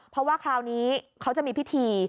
เพราะว่าคราวนี้เขาจะมีพิธี